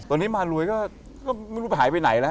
ตอนนี้มารวยก็ไม่รู้ไปหายไปไหนแล้ว